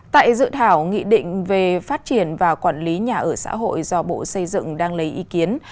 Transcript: tại dự thảo nghị định về phát triển và quản lý nhà ở xã hội do bộ xây dựng đang lấy ý kiến